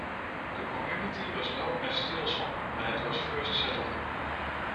The community was known as Stilson when it was first settled.